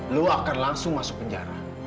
lo akan langsung masuk penjara